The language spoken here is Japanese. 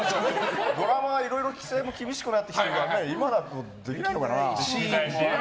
ドラマはいろいろ規制も厳しくなってきているから今だとできないのかな。